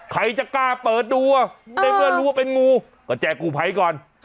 ใครจะกล้าเปิดดูในเมื่อรู้ว่าเป็นงูก็แจกกูภัยก่อน